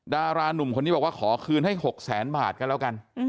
ดารานุ่มคนนี้บอกว่าขอคืนให้๖แสนบาทกันแล้วกัน